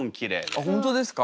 あっ本当ですか？